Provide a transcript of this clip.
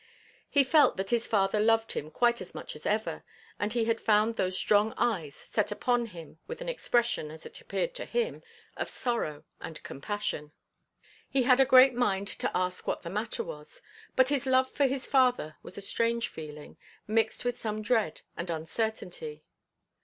He felt that his father loved him quite as much as ever, and he had found those strong eyes set upon him with an expression, as it appeared to him, of sorrow and compassion. He had a great mind to ask what the matter was; but his love for his father was a strange feeling, mixed with some dread and uncertainty.